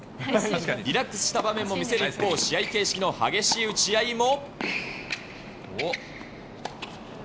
リラックスした場面も見せる一方、試合形式の激しい打ち合いも。